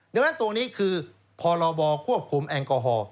ดังนั้นตรงนี้คือพรบควบคุมแอลกอฮอล์